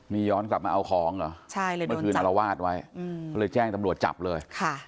นี่ย้อนกลับมาเอาของเหรอเมื่อคืนอารวาสไว้ก็เลยแจ้งตำรวจจับเลย